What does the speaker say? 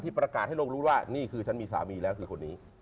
ประกาศให้โลกรู้ว่านี่คือฉันมีสามีแล้วคือคนนี้